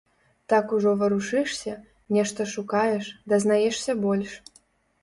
Так ужо варушышся, нешта шукаеш, дазнаешся больш.